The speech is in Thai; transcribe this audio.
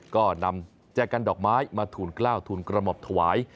ก็นำแจกันดอกไม้มาทูลกล้าวทูลกระหม่อมถวาย